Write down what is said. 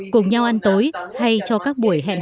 cùng nhau ăn tối hay cho các buổi hẹn hò lãng mạn